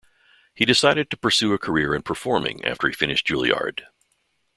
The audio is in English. He decided to pursue a career in performing after he finished Juilliard.